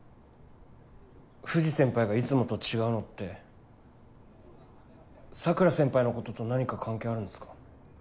藤先輩がいつもと違うのって桜先輩のことと何か関係あるんですか？